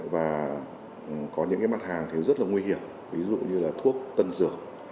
và có những mặt hàng rất nguy hiểm ví dụ như thuốc tân dược